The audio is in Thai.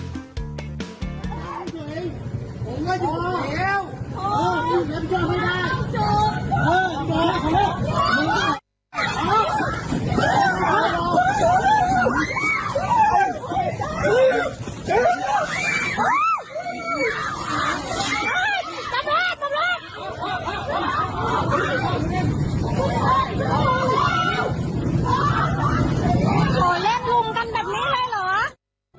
เล่นลุงกันแบบนี้ได้เหรอ